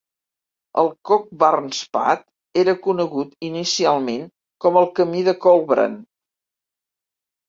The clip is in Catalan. El Cockburnspath era conegut inicialment com el "Camí de Kolbrand".